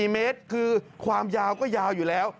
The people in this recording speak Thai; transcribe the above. ๔เมตรคือความยาวก็ยาวอยู่แล้ว